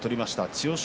千代翔